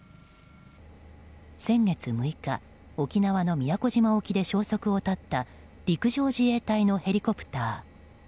先月６日、沖縄の宮古島沖で消息を絶った陸上自衛隊のヘリコプター。